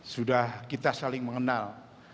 sudah kita saling mengenal